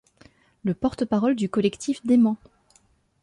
Le porte-parole du collectif dément.